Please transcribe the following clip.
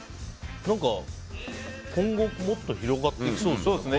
今後、もっと広がっていきそうですよね